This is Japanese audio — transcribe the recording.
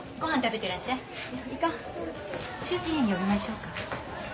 主人呼びましょうか？